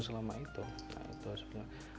diasa dijualan selama itu